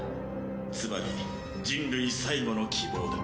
つまり人類最後の希望だ。